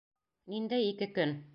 Ниндәй ике көн?